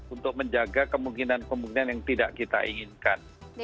untuk menjaga kemungkinan kemungkinan yang tidak kita inginkan